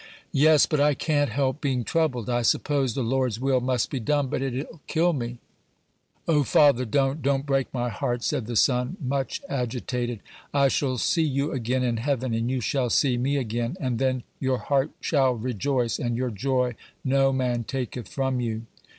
"Yes; but I can't help being troubled; I suppose the Lord's will must be done, but it'll kill me." "O father, don't, don't break my heart," said the son, much agitated. "I shall see you again in heaven, and you shall see me again; and then 'your heart shall rejoice, and your joy no man taketh from you.'"